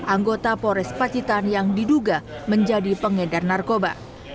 anggota pores pacitan yang diduga menjadi pengedar narkoba